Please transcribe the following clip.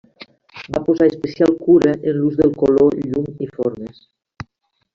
Va posar especial cura en l'ús del color, llum i formes.